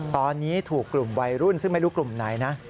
ตอนนี้ถูกกลุ่มวัยรุ่นซึ่งไม่รู้กลุ่มไหนนะ